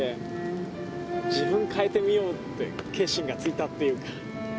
自分変えてみようって決心がついたっていうか。